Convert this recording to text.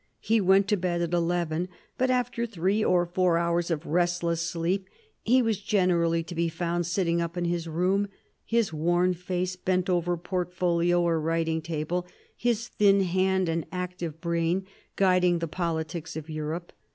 He went to bed at eleven, but after three or four hours of restless sleep he was generally to be found sitting up in his room, his worn face bent over portfolio or writing table, his thin hand and active brain guiding the politics of Europe.